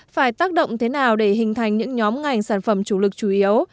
phải tác động thế nào để hình thành những nhóm ngành sản phẩm chủ lực chủ yếu